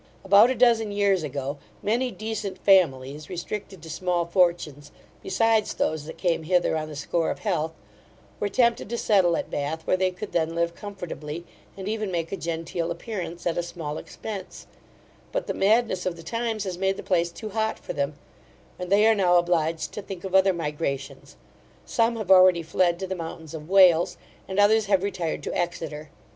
About a dozen years ago, many decent families, restricted to small fortunes, besides those that came hither on the score of health, were tempted to settle at Bath, where they could then live comfortably, and even make a genteel appearance, at a small expence: but the madness of the times has made the place too hot for them, and they are now obliged to think of other migrations Some have already fled to the mountains of Wales, and others have retired to Exeter.